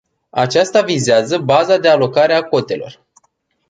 Acesta vizează baza de alocare a cotelor.